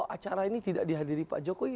acara ini tidak dihadiri pak jokowi